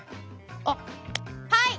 あっはい！